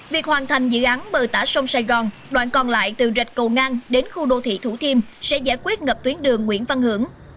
việc hoàn thành dự án bờ tả sông sài gòn đoạn còn lại từ rạch cầu ngang đến khu đô thị thủ thiêm sẽ giải quyết ngập tuyến đường nguyễn văn hưởng